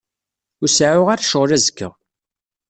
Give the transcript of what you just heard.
Ur seɛɛuɣ ara ccɣel azekka.